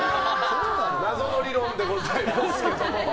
謎の理論でございますけども。